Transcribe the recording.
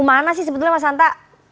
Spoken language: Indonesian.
mana sih sebetulnya mas hanta